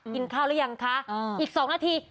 กินข้าวยังคะอีกสองนาที